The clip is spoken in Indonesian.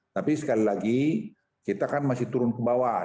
tapi sekali lagi kita kan masih turun ke bawah